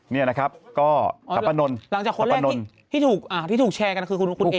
เนี่ยนะครับก็กับป้านนลหลังจากคนแรกที่ถูกแชร์กันคือคุณเอก